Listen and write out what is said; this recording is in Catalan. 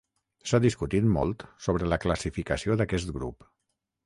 S'ha discutit molt sobre la classificació d'aquest grup.